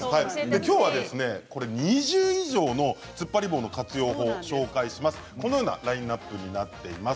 きょうは２０以上のつっぱり棒活用術をご紹介します。